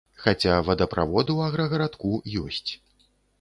Хаця вадаправод у аграгарадку ёсць.